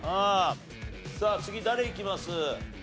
さあ次誰いきます？